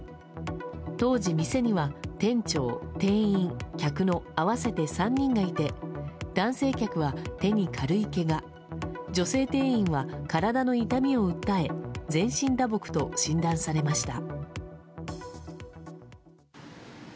当時、店には店長、店員、客の合わせて３人がいて男性客は手に軽いけが女性店員は体の痛みを訴え全身打撲と診断されました。